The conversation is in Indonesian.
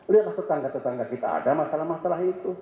lihatlah tetangga tetangga kita ada masalah masalah itu